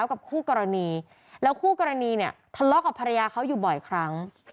กับคู่กรณีแล้วคู่กรณีเนี่ยทะเลาะกับภรรยาเขาอยู่บ่อยครั้ง